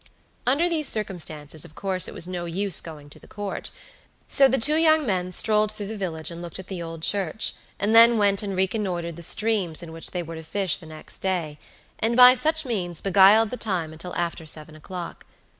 Under these circumstances of course it was no use going to the Court, so the two young men strolled through the village and looked at the old church, and then went and reconnoitered the streams in which they were to fish the next day, and by such means beguiled the time until after seven o'clock.